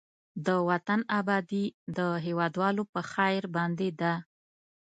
د وطن آبادي د هېوادوالو په خير باندې ده.